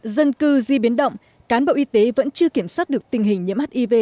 dân cư di biến động cán bộ y tế vẫn chưa kiểm soát được tình hình nhiễm hiv